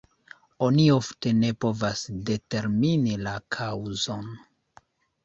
Oni ofte ne povas determini la kaŭzon.